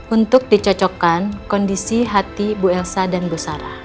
untuk dicocokkan kondisi hati bu elsa dan bu sarah